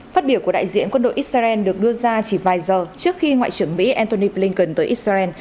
phát biểu của đại diện quân đội israel được đưa ra chỉ vài giờ trước khi ngoại trưởng mỹ antony blinken tới israel